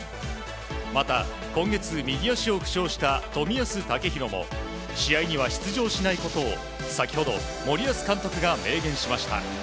また、今月右足を負傷した冨安健洋も試合には出場しないことを先ほど、森保監督が明言しました。